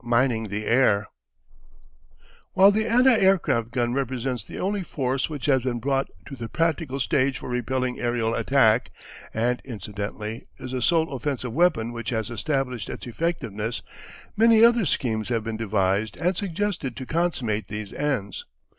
MINING THE AIR While the anti aircraft gun represents the only force which has been brought to the practical stage for repelling aerial attack, and incidentally is the sole offensive weapon which has established its effectiveness, many other schemes have been devised and suggested to consummate these ends.